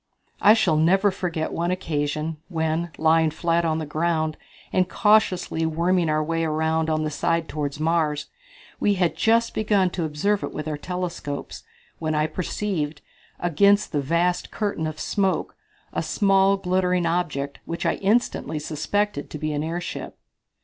I shall never forget one occasion, when, lying flat on the ground, and cautiously worming our way around on the side toward Mars, we had just begun to observe it with our telescopes, when I perceived, against the vast curtain of smoke, a small, glinting object, which I instantly suspected to be an airship.